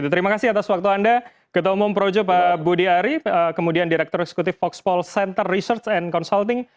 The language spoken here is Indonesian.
terima kasih atas waktu anda ketua umum projo pak budi ari kemudian direktur eksekutif foxpol center research and consulting